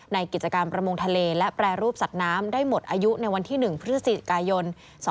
ในกิจกรรมประมงทะเลและแปรรูปสัตว์น้ำได้หมดอายุในวันที่๑พฤศจิกายน๒๕๖